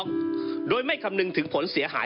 ก็ได้มีการอภิปรายในภาคของท่านประธานที่กรกครับ